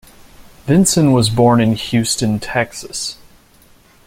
Vinson was born in Houston, Texas.